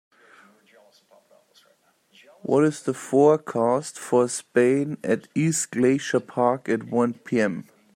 what is the foreast for Spain at East Glacier Park at one pm